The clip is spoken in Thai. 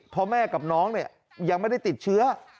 เพราะแม่กับน้องเนี่ยยังไม่ได้ติดเชื้อ